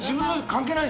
関係ない。